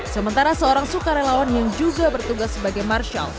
sementara seorang sukarelawan yang juga bertugas sebagai martial